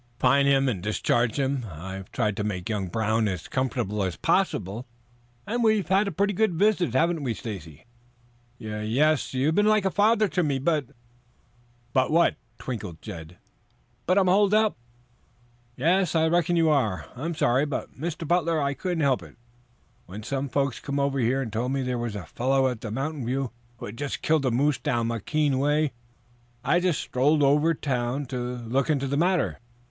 "Fine him or discharge him. I've tried to make young Brown as comfortable as possible, and we've had a pretty good visit, haven't we, Stacy?" "Ye yes. You have been like a father to me, but " "But what?" twinkled Jed. "But I'm held up." "Yes, I reckon you are. I am sorry, Mr. Butler, but I couldn't help it. When some folks came over and told me there was a fellow at the Mountain View who had just killed a moose down Moquin way, I just strolled over town to look into the matter.